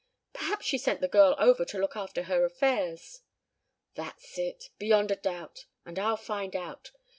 "Perhaps she sent the girl over to look after her affairs." "That's it. Beyond a doubt. And I'll find out.